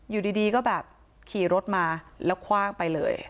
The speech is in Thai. อยู่ดีก็แบบขี่รถมาแล้วคว่างไปเลย